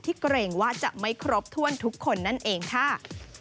เกรงว่าจะไม่ครบถ้วนทุกคนนั่นเองค่ะ